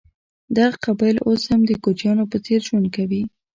دغه قبایل اوس هم د کوچیانو په څېر ژوند کوي.